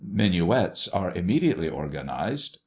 Minuets are immediately organized.